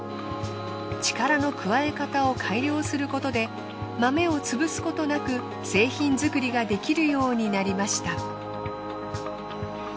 力の加え方を改良することで豆を潰すことなく製品作りができるようになりました。